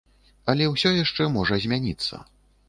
Але ўсё яшчэ можа змяніцца.